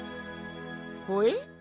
ほえ？